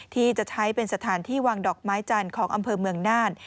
ที่จะใช้เป็นสถานที่วางดอกไม้จันทร์ของอำเภอเมืองน่าน